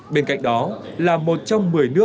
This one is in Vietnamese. thì họ làm cho họ